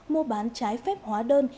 mua bán trái phép hóa đơn